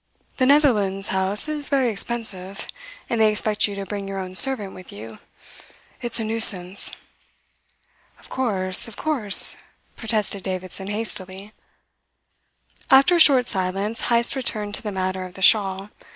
The Netherlands House is very expensive, and they expect you to bring your own servant with you. It's a nuisance." "Of course, of course," protested Davidson hastily. After a short silence Heyst returned to the matter of the shawl.